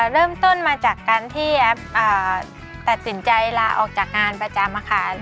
เริ่มต้นมาจากการที่แอฟตัดสินใจลาออกจากงานประจำอาคาร